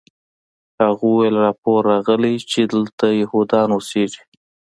هغه وویل راپور راغلی چې دلته یهودان اوسیږي